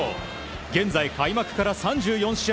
現在、開幕から３４試合